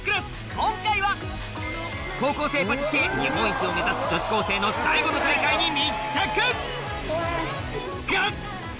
今回は高校生パティシエ日本一を目指す女子高生の最後の大会に密着！が！